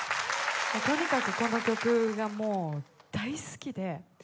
とにかくこの曲がもう大好きで。